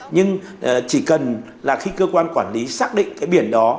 nhưng chỉ cần là khi cơ quan quản lý xác định cái biển đó